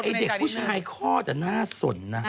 แต่ไอ้เด็กผู้ชายข้อจะน่าสนนะ